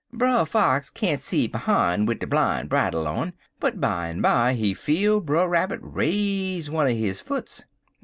Brer Fox can't see behime wid de bline bridle on, but bimeby he feel Brer Rabbit raise one er his foots.